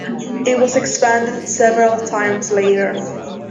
It was expanded several times later.